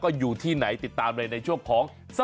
โอ้ยน่ากินที่สุดเลยค่ะ